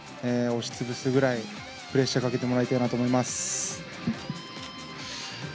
押しつぶすぐらい、プレッシャーかけてもらいたいなと思います。